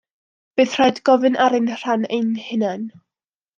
Bydd rhaid gofyn ar ein rhan ein hunain.